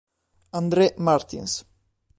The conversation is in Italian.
André Martins